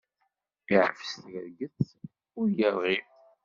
Iɛfes tirget ur irɣi.